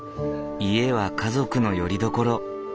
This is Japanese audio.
家は家族のよりどころ。